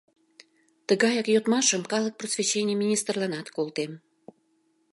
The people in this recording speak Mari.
— Тыгаяк йодмашым калык просвещений министрланат колтем.